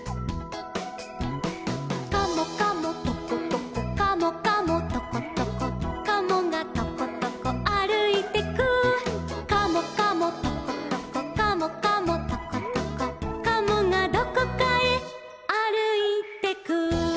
「カモカモトコトコカモカモトコトコ」「カモがトコトコあるいてく」「カモカモトコトコカモカモトコトコ」「カモがどこかへあるいてく」